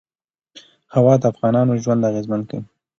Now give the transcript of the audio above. هوا د افغانانو ژوند اغېزمن کوي.